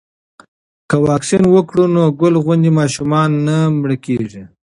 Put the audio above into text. که واکسین وکړو نو ګل غوندې ماشومان نه مړه کیږي.